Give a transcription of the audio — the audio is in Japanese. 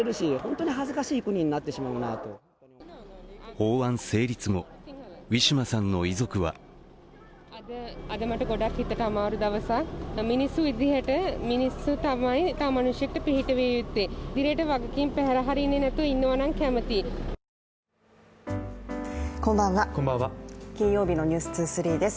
法案成立後、ウィシュマさんの遺族はこんばんは、金曜日の「ｎｅｗｓ２３」です。